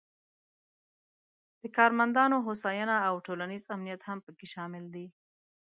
د کارمندانو هوساینه او ټولنیز امنیت هم پکې شامل دي.